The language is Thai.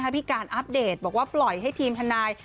พี่การอัปเดตบอกว่าปล่อยให้ทีมทนาย